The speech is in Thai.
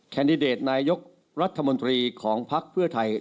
แดดิเดตนายกรัฐมนตรีของภักดิ์เพื่อไทย